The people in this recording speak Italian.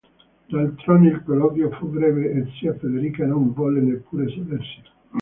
D'altronde il colloquio fu breve e zia Federica non volle neppure sedersi.